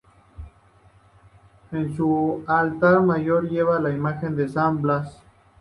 En su altar mayor, lleva la imagen de San Blas.